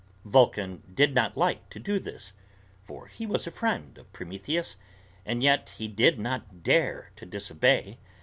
Vulcan did not like to do this, for he was a friend of Prometheus, and yet he did not dare to disobey.